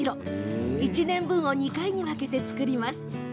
１年分を２回に分けてつくります。